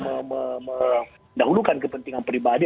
mendahulukan kepentingan pribadi